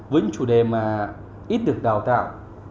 với những chủ đề mà ít được đào tạo